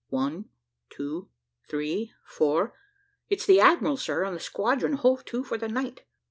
"One, two, three, four. It's the admiral, sir, and the squadron hove to for the night.